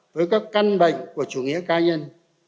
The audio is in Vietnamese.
với các căn bệnh của chủ nghĩa ca nhân